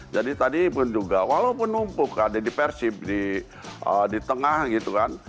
jadi tadi pun juga walaupun umpuk ada di persib di tengah gitu kan